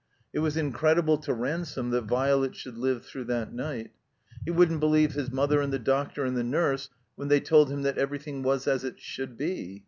It was incredible to Ransome that Violet should live through that night. He wouldn't believe his mother and the doctor and the nurse when they told him that everything was as it should be.